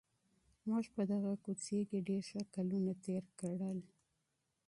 موږ په دغه کوڅې کي ډېر ښه کلونه تېر کړل.